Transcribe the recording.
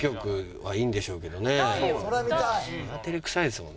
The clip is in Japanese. はい。